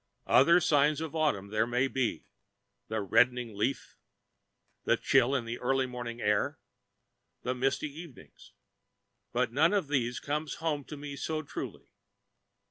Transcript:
Other signs of autumn there may be the reddening leaf, the chill in the early morning air, the misty evenings but none of these comes home to me so truly.